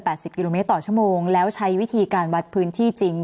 สิบกิโลเมตรต่อชั่วโมงแล้วใช้วิธีการวัดพื้นที่จริง